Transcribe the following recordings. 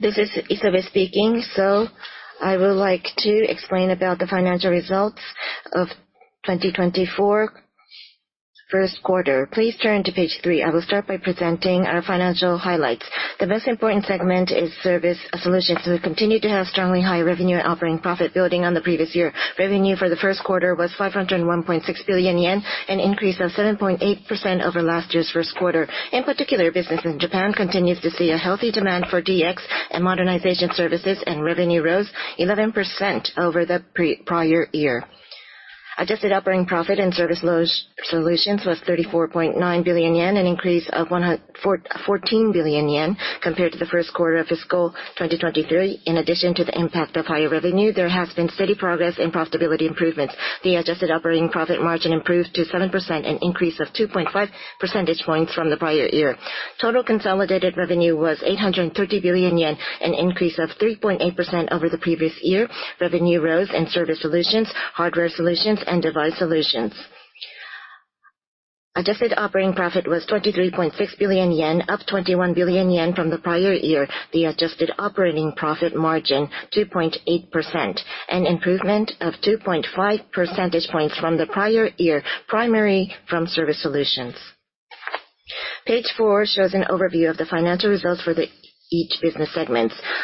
This is Isobe speaking. So I would like to explain about the financial results of 2024, first quarter. Please turn to page three. I will start by presenting our financial highlights. The most important segment is Service Solutions. We continue to have strongly high revenue and operating profit building on the previous year. Revenue for the first quarter was 501.6 billion yen, an increase of 7.8% over last year's first quarter. In particular, business in Japan continues to see a healthy demand for DX and modernization services, and revenue rose 11% over the prior year. Adjusted operating profit in Service Solutions was 34.9 billion yen, an increase of 114 billion yen compared to the first quarter of fiscal 2023. In addition to the impact of higher revenue, there has been steady progress in profitability improvements. The adjusted operating profit margin improved to 7%, an increase of 2.5 percentage points from the prior year. Total consolidated revenue was 830 billion yen, an increase of 3.8% over the previous year. Revenue rose in Service Solutions, Hardware Solutions, and Device Solutions. Adjusted operating profit was 23.6 billion yen, up 21 billion yen from the prior year. The adjusted operating profit margin is 2.8%, an improvement of 2.5 percentage points from the prior year, primarily from Service Solutions. Page four shows an overview of the financial results for each business segment.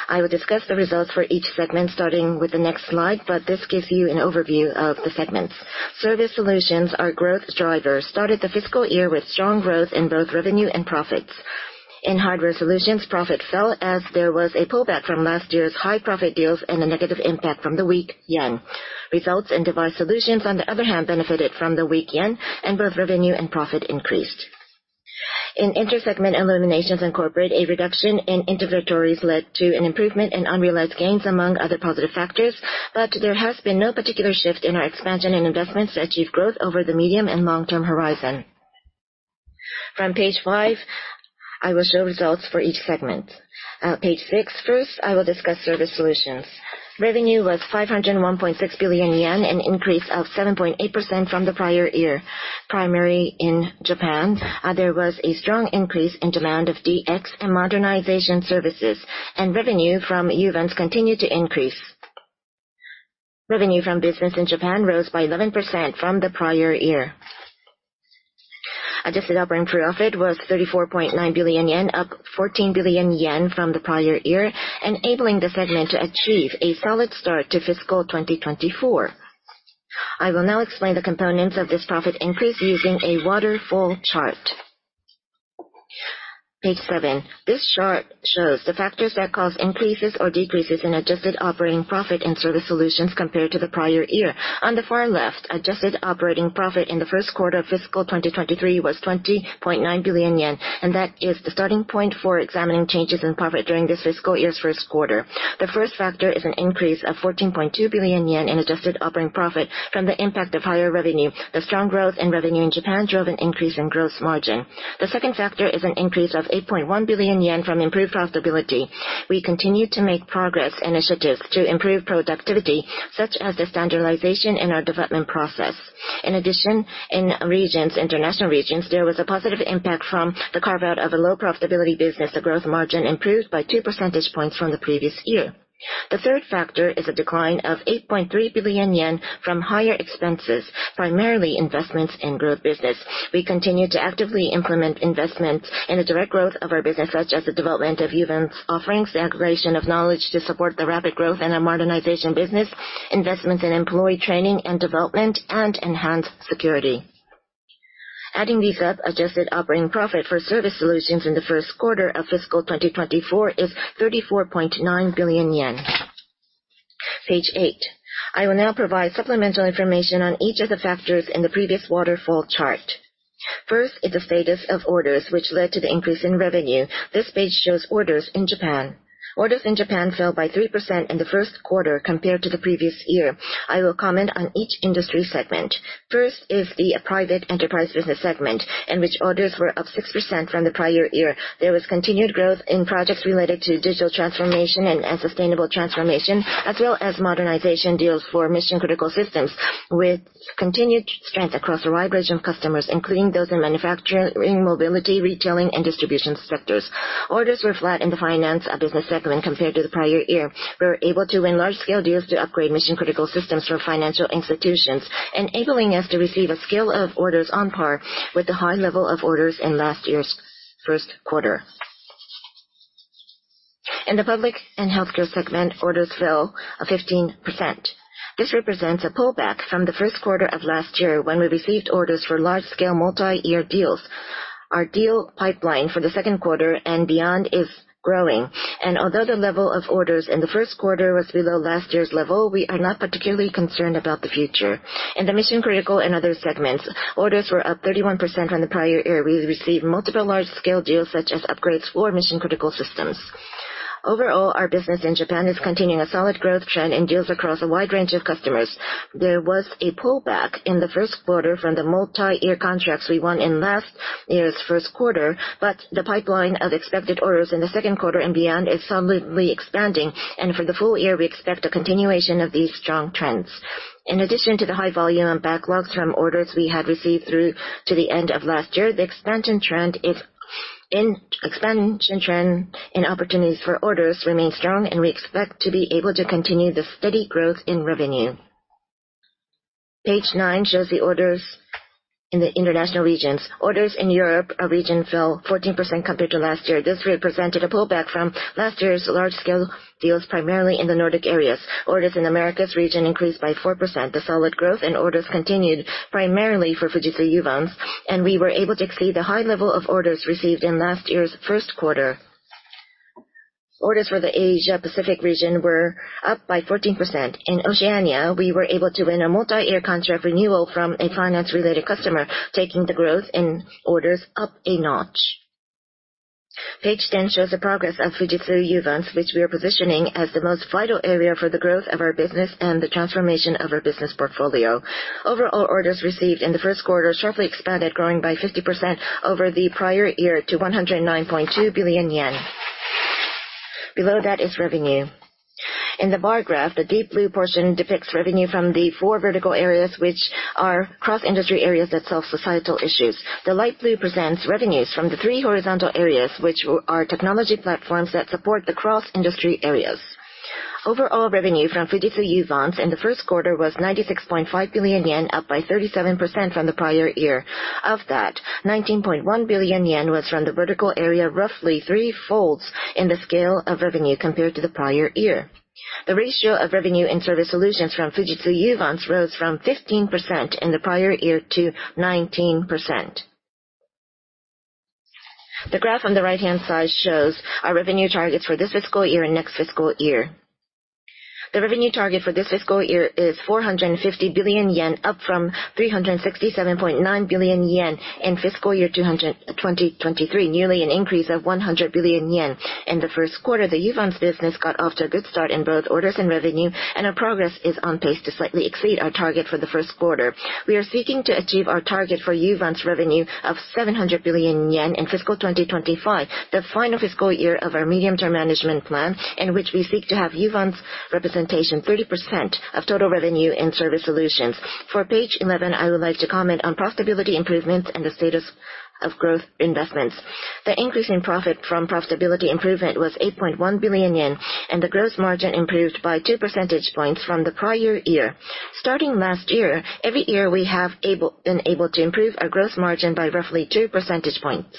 I will discuss the results for each segment starting with the next slide, but this gives you an overview of the segments. Service Solutions are growth drivers. Started the fiscal year with strong growth in both revenue and profits. In Hardware Solutions, profit fell as there was a pullback from last year's high profit deals and a negative impact from the weak yen. Results in Device Solutions, on the other hand, benefited from the weak yen, and both revenue and profit increased. In intersegment eliminations and corporate, a reduction in inventories led to an improvement in unrealized gains, among other positive factors. But there has been no particular shift in our expansion and investments to achieve growth over the medium and long-term horizon. From page five, I will show results for each segment. Page six first, I will discuss Service Solutions. Revenue was 501.6 billion yen, an increase of 7.8% from the prior year, primarily in Japan. There was a strong increase in demand of DX and modernization services, and revenue from events continued to increase. Revenue from business in Japan rose by 11% from the prior year. Adjusted operating profit was 34.9 billion yen, up 14 billion yen from the prior year, enabling the segment to achieve a solid start to fiscal 2024. I will now explain the components of this profit increase using a waterfall chart. Page seven, this chart shows the factors that cause increases or decreases in adjusted operating profit in Service Solutions compared to the prior year. On the far left, adjusted operating profit in the first quarter of fiscal 2023 was 20.9 billion yen, and that is the starting point for examining changes in profit during this fiscal year's first quarter. The first factor is an increase of 14.2 billion yen in adjusted operating profit from the impact of higher revenue. The strong growth in revenue in Japan drove an increase in gross margin. The second factor is an increase of 8.1 billion yen from improved profitability. We continue to make progress initiatives to improve productivity, such as the standardization in our development process. In addition, in International regions, there was a positive impact from the carve-out of a low profitability business. The gross margin improved by two percentage points from the previous year. The third factor is a decline of 8.3 billion yen from higher expenses, primarily investments in growth business. We continue to actively implement investments in the direct growth of our business, such as the development of events, offering the aggregation of knowledge to support the rapid growth and modernization business, investments in employee training and development, and enhanced security. Adding these up, adjusted operating profit for Service Solutions in the first quarter of fiscal 2024 is 34.9 billion yen. Page eight, I will now provide supplemental information on each of the factors in the previous waterfall chart. First is the status of orders, which led to the increase in revenue. This page shows orders in Japan. Orders in Japan fell by 3% in the first quarter compared to the previous year. I will comment on each industry segment. First is the Private Enterprise business segment, in which orders were up 6% from the prior year. There was continued growth in projects related to digital transformation and sustainable transformation, as well as modernization deals for Mission Critical systems, with continued strength across a wide range of customers, including those in manufacturing, mobility, retailing, and distribution sectors. Orders were flat in the Finance business segment compared to the prior year. We were able to win large-scale deals to upgrade Mission Critical systems for financial institutions, enabling us to receive a scale of orders on par with the high level of orders in last year's first quarter. In the Public and Healthcare segment, orders fell 15%. This represents a pullback from the first quarter of last year when we received orders for large-scale multi-year deals. Our deal pipeline for the second quarter and beyond is growing. Although the level of orders in the first quarter was below last year's level, we are not particularly concerned about the future. In the Mission Critical and other segments, orders were up 31% from the prior year. We received multiple large-scale deals, such as upgrades for Mission Critical systems. Overall, our business in Japan is continuing a solid growth trend in deals across a wide range of customers. There was a pullback in the first quarter from the multi-year contracts we won in last year's first quarter, but the pipeline of expected orders in the second quarter and beyond is solidly expanding. For the full year, we expect a continuation of these strong trends. In addition to the high volume and backlogs from orders we had received through to the end of last year, the expansion trend in opportunities for orders remains strong, and we expect to be able to continue the steady growth in revenue. Page nine shows the orders in the International regions. Orders in Europe fell 14% compared to last year. This represented a pullback from last year's large-scale deals, primarily in the Nordic areas. Orders in Americas region increased by 4%. The solid growth in orders continued, primarily for Fujitsu Uvance, and we were able to exceed the high level of orders received in last year's first quarter. Orders for the Asia-Pacific region were up by 14%. In Oceania, we were able to win a multi-year contract renewal from a finance-related customer, taking the growth in orders up a notch. Page 10 shows the progress of Fujitsu Uvance, which we are positioning as the most vital area for the growth of our business and the transformation of our business portfolio. Overall, orders received in the first quarter sharply expanded, growing by 50% over the prior year to 109.2 billion yen. Below that is revenue. In the bar graph, the deep blue portion depicts revenue from the four vertical areas, which are cross-industry areas that solve societal issues. The light blue presents revenues from the three horizontal areas, which are technology platforms that support the cross-industry areas. Overall revenue from Fujitsu Uvance in the first quarter was 96.5 billion yen, up by 37% from the prior year. Of that, 19.1 billion yen was from the vertical area, roughly threefold in the scale of revenue compared to the prior year. The ratio of revenue in Service Solutions from Fujitsu Uvance rose from 15% in the prior year to 19%. The graph on the right-hand side shows our revenue targets for this fiscal year and next fiscal year. The revenue target for this fiscal year is 450 billion yen, up from 367.9 billion yen in fiscal year 2023, nearly an increase of 100 billion yen. In the first quarter, the Uvance business got off to a good start in both orders and revenue, and our progress is on pace to slightly exceed our target for the first quarter. We are seeking to achieve our target for Uvance revenue of 700 billion yen in fiscal 2025, the final fiscal year of our medium-term management plan, in which we seek to have Uvance representation 30% of total revenue in Service Solutions. For page 11, I would like to comment on profitability improvements and the status of growth investments. The increase in profit from profitability improvement was 8.1 billion yen, and the gross margin improved by 2 percentage points from the prior year. Starting last year, every year we have been able to improve our gross margin by roughly 2 percentage points.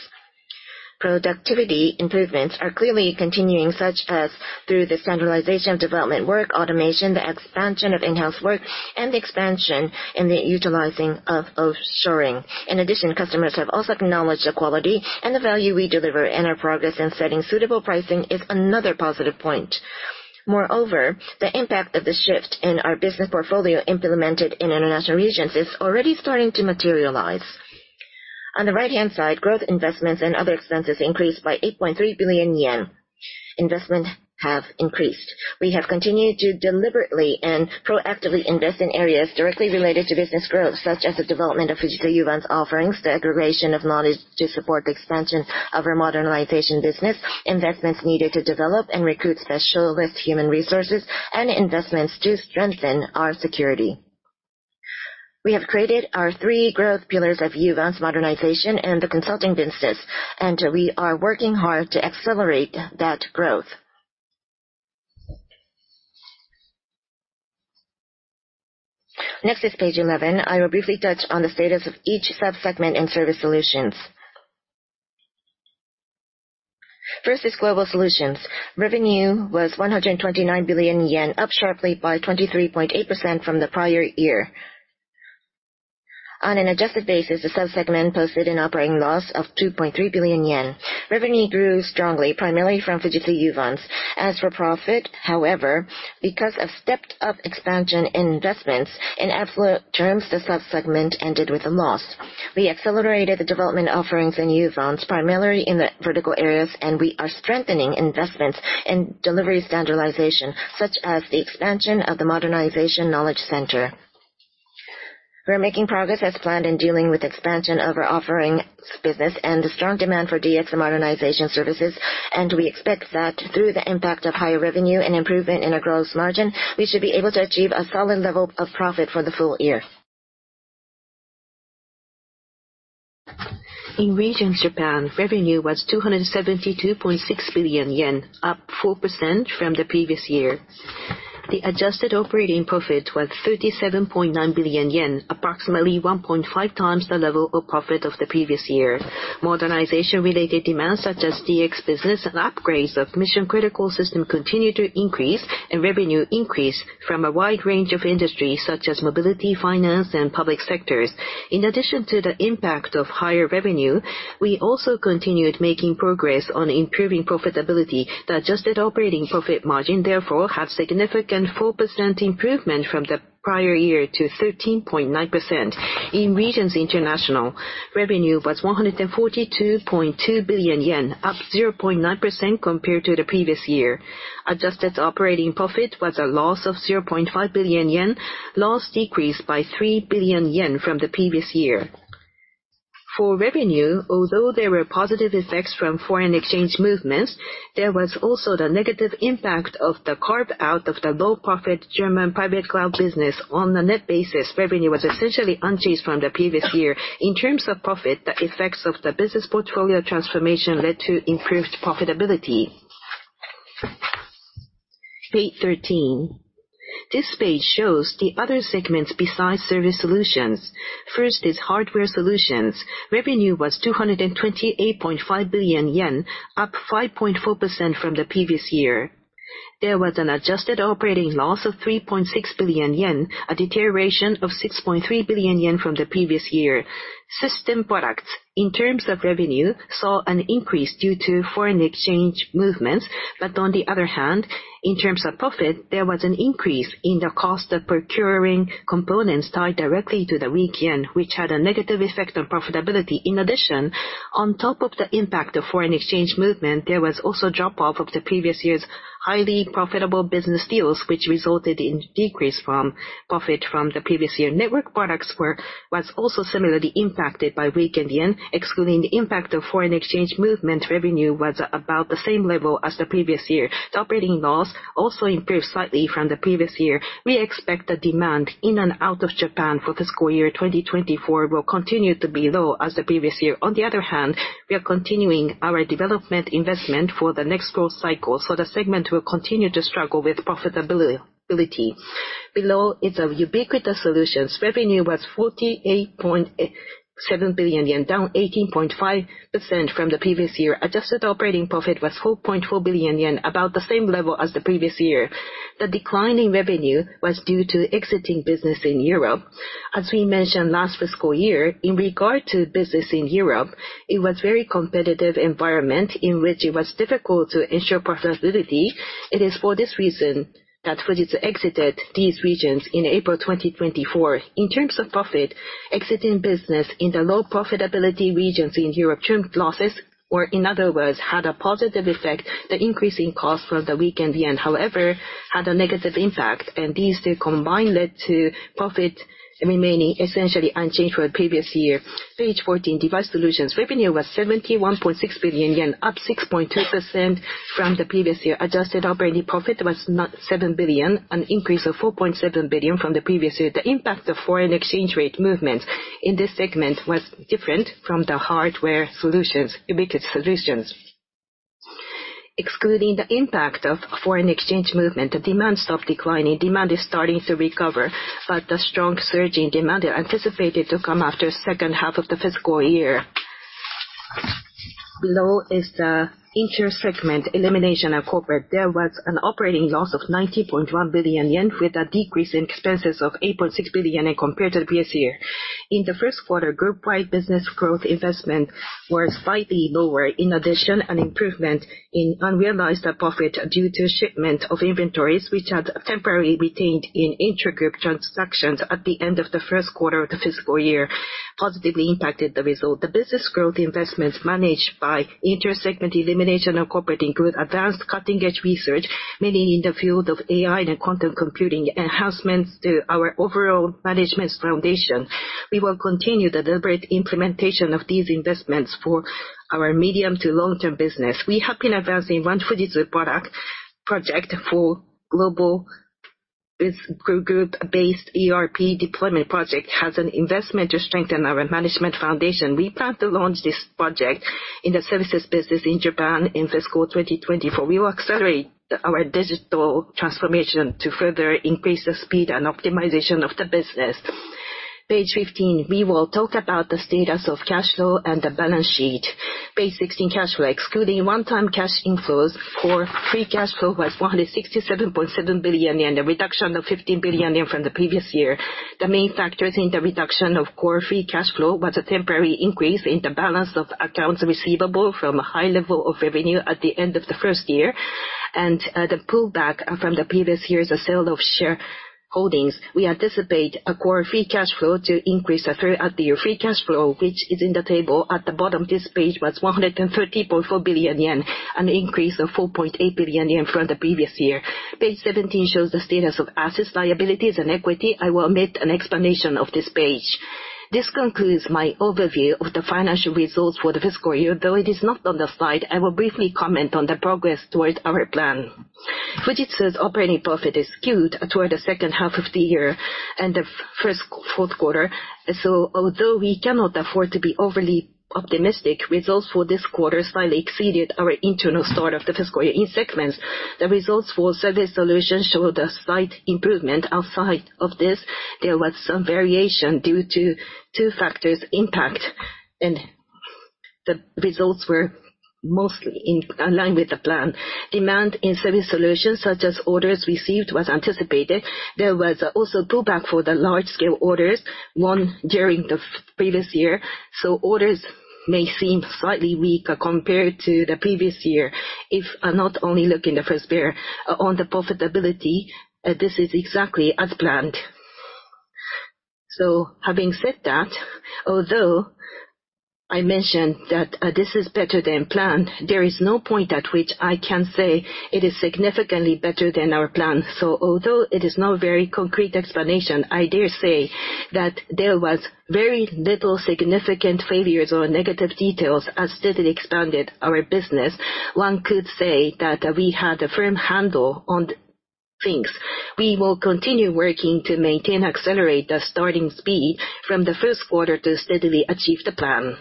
Productivity improvements are clearly continuing, such as through the standardization of development work, automation, the expansion of in-house work, and the expansion in the utilizing of offshoring. In addition, customers have also acknowledged the quality and the value we deliver, and our progress in setting suitable pricing is another positive point. Moreover, the impact of the shift in our business portfolio implemented in International regions is already starting to materialize. On the right-hand side, growth investments and other expenses increased by 8.3 billion yen. Investments have increased. We have continued to deliberately and proactively invest in areas directly related to business growth, such as the development of Fujitsu Uvance offerings, the aggregation of knowledge to support the expansion of our modernization business, investments needed to develop and recruit specialist human resources, and investments to strengthen our security. We have created our three growth pillars of Uvance modernization and the consulting business, and we are working hard to accelerate that growth. Next is page 11. I will briefly touch on the status of each subsegment in Service Solutions. First is Global Solutions. Revenue was 129 billion yen, up sharply by 23.8% from the prior year. On an adjusted basis, the subsegment posted an operating loss of 2.3 billion yen. Revenue grew strongly, primarily from Fujitsu Uvance. As for profit, however, because of stepped-up expansion investments, in absolute terms, the subsegment ended with a loss. We accelerated the development offerings in Fujitsu Uvance, primarily in the vertical areas, and we are strengthening investments in delivery standardization, such as the expansion of the modernization knowledge center. We are making progress as planned in dealing with the expansion of our offering business and the strong demand for DX and modernization services, and we expect that through the impact of higher revenue and improvement in our gross margin, we should be able to achieve a solid level of profit for the full year. In regions, Japan revenue was 272.6 billion yen, up 4% from the previous year. The adjusted operating profit was 37.9 billion yen, approximately 1.5 times the level of profit of the previous year. Modernization-related demands, such as DX business and upgrades of Mission Critical systems, continued to increase, and revenue increased from a wide range of industries, such as mobility, finance, and public sectors. In addition to the impact of higher revenue, we also continued making progress on improving profitability. The adjusted operating profit margin, therefore, had a significant 4% improvement from the prior year to 13.9%. In regions, International revenue was 142.2 billion yen, up 0.9% compared to the previous year. Adjusted operating profit was a loss of 0.5 billion yen, loss decreased by 3 billion yen from the previous year. For revenue, although there were positive effects from foreign exchange movements, there was also the negative impact of the carve-out of the low-profit German private cloud business. On the net basis, revenue was essentially unchanged from the previous year. In terms of profit, the effects of the business portfolio transformation led to improved profitability. Page 13. This page shows the other segments besides Service Solutions. First is Hardware Solutions. Revenue was 228.5 billion yen, up 5.4% from the previous year. There was an adjusted operating loss of 3.6 billion yen, a deterioration of 6.3 billion yen from the previous year. System Products, in terms of revenue, saw an increase due to foreign exchange movements, but on the other hand, in terms of profit, there was an increase in the cost of procuring components tied directly to the weak yen, which had a negative effect on profitability. In addition, on top of the impact of foreign exchange movement, there was also a drop-off of the previous year's highly profitable business deals, which resulted in a decrease from profit from the previous year. Network Products were also similarly impacted by weakened yen. Excluding the impact of foreign exchange movement, revenue was about the same level as the previous year. The operating loss also improved slightly from the previous year. We expect the demand in and out of Japan for fiscal year 2024 will continue to be low as the previous year. On the other hand, we are continuing our development investment for the next growth cycle, so the segment will continue to struggle with profitability. Below is Ubiquitous Solutions. Revenue was 48.7 billion yen, down 18.5% from the previous year. Adjusted operating profit was 4.4 billion yen, about the same level as the previous year. The declining revenue was due to exiting business in Europe. As we mentioned last fiscal year, in regard to business in Europe, it was a very competitive environment in which it was difficult to ensure profitability. It is for this reason that Fujitsu exited these regions in April 2024. In terms of profit, exiting business in the low-profitability regions in Europe trimmed losses, or in other words, had a positive effect. The increasing cost from the weakened yen, however, had a negative impact, and these two combined led to profit remaining essentially unchanged from the previous year. Page 14, Device Solutions. Revenue was 71.6 billion yen, up 6.2% from the previous year. Adjusted operating profit was 7 billion, an increase of 4.7 billion from the previous year. The impact of foreign exchange rate movements in this segment was different from the Hardware Solutions, Ubiquitous Solutions. Excluding the impact of foreign exchange movement, the demand stopped declining. Demand is starting to recover, but the strong surging demand is anticipated to come after the second half of the fiscal year. Below is the inter-segment, elimination and corporate. There was an operating loss of 90.1 billion yen, with a decrease in expenses of 8.6 billion yen compared to the previous year. In the first quarter, group-wide business growth investment was slightly lower. In addition, an improvement in unrealized profit due to shipment of inventories, which had temporarily retained in intergroup transactions at the end of the first quarter of the fiscal year, positively impacted the result. The business growth investments managed by inter-segment elimination of corporate include advanced cutting-edge research, mainly in the field of AI and quantum computing, enhancements to our overall management foundation. We will continue the deliberate implementation of these investments for our medium to long-term business. We have been advancing OneFujitsu product project for global group-based ERP deployment project, which has an investment to strengthen our management foundation. We plan to launch this project in the services business in Japan in fiscal 2024. We will accelerate our digital transformation to further increase the speed and optimization of the business. Page 15, we will talk about the status of cash flow and the balance sheet. Page 16, cash flow, excluding one-time cash inflows, core free cash flow was 167.7 billion yen, a reduction of 15 billion yen from the previous year. The main factors in the reduction of core free cash flow were a temporary increase in the balance of accounts receivable from a high level of revenue at the end of the first year, and the pullback from the previous year's sale of share holdings. We anticipate a core free cash flow to increase throughout the year. Free cash flow, which is in the table at the bottom of this page, was 130.4 billion yen, an increase of 4.8 billion yen from the previous year. Page 17 shows the status of assets, liabilities, and equity. I will omit an explanation of this page. This concludes my overview of the financial results for the fiscal year. Though it is not on the slide, I will briefly comment on the progress toward our plan. Fujitsu's operating profit is skewed toward the second half of the year and the fourth quarter. So, although we cannot afford to be overly optimistic, results for this quarter slightly exceeded our internal target of the fiscal year. In segments, the results for Service Solutions showed a slight improvement. Outside of this, there was some variation due to two factors' impact, and the results were mostly in line with the plan. Demand in Service Solutions, such as orders received, was anticipated. There was also a pullback for the large-scale orders, one during the previous year. So, orders may seem slightly weaker compared to the previous year if not only looking at the first year. On the profitability, this is exactly as planned. So, having said that, although I mentioned that this is better than planned, there is no point at which I can say it is significantly better than our plan. So, although it is not very concrete explanation, I dare say that there were very little significant failures or negative details as steadily expanded our business. One could say that we had a firm handle on things. We will continue working to maintain and accelerate the starting speed from the first quarter to steadily achieve the plan.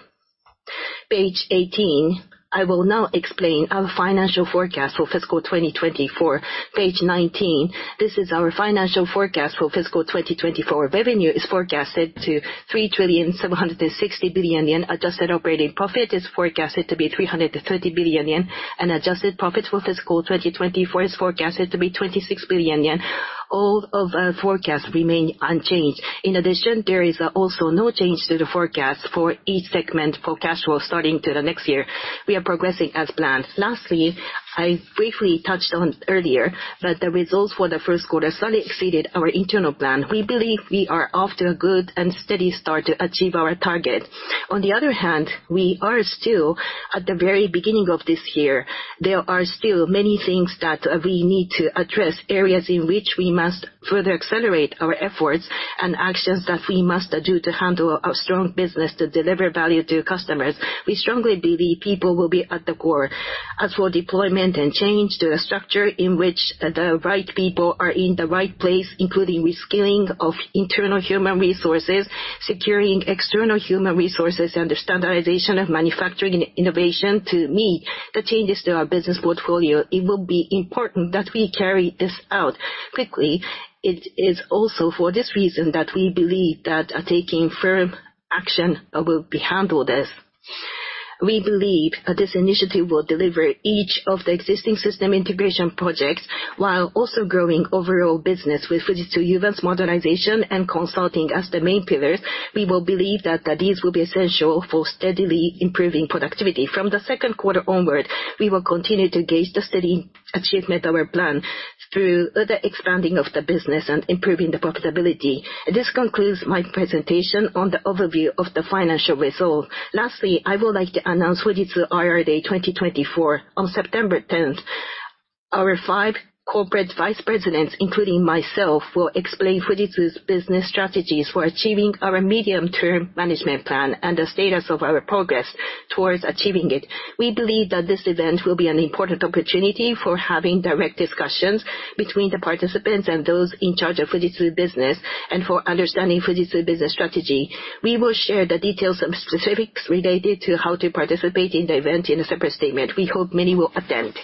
Page 18, I will now explain our financial forecast for fiscal 2024. Page 19, this is our financial forecast for fiscal 2024. Revenue is forecasted to 3,760 billion yen. Adjusted operating profit is forecasted to be 330 billion yen, and adjusted profit for fiscal 2024 is forecasted to be 26 billion yen. All of our forecasts remain unchanged. In addition, there is also no change to the forecast for each segment for cash flow starting to the next year. We are progressing as planned. Lastly, I briefly touched on earlier that the results for the first quarter slightly exceeded our internal plan. We believe we are off to a good and steady start to achieve our target. On the other hand, we are still at the very beginning of this year. There are still many things that we need to address, areas in which we must further accelerate our efforts and actions that we must do to handle our strong business to deliver value to customers. We strongly believe people will be at the core. As for deployment and change to the structure in which the right people are in the right place, including reskilling of internal human resources, securing external human resources, and the standardization of manufacturing and innovation to meet the changes to our business portfolio, it will be important that we carry this out quickly. It is also for this reason that we believe that taking firm action will be handled as. We believe this initiative will deliver each of the existing system integration projects while also growing overall business with Fujitsu Uvance's modernization and consulting as the main pillars. We believe that these will be essential for steadily improving productivity. From the second quarter onward, we will continue to gauge the steady achievement of our plan through the expanding of the business and improving the profitability. This concludes my presentation on the overview of the financial result. Lastly, I would like to announce Fujitsu IR Day 2024 on September 10th. Our five corporate vice presidents, including myself, will explain Fujitsu's business strategies for achieving our medium-term management plan and the status of our progress towards achieving it. We believe that this event will be an important opportunity for having direct discussions between the participants and those in charge of Fujitsu business and for understanding Fujitsu business strategy. We will share the details of specifics related to how to participate in the event in a separate statement. We hope many will attend.